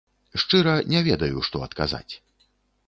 Шчыра, не ведаю, што адказаць.